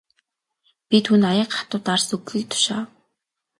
Би түүнд аяга хатуу дарс өгөхийг тушаав.